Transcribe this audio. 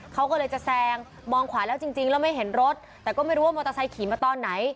เขาก็เลยจะแซงมองขวาแล้วจริงแล้วไม่เห็นรถแต่ก็ไม่รู้ว่ามอเตอร์ไซค์ขี่มาตอนไหน